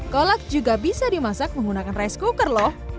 kolak juga bisa dimasak menggunakan rice cooker loh